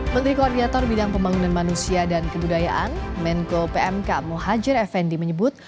menteri koordinator bidang pembangunan manusia dan kebudayaan menko pmk muhajir effendi menyebut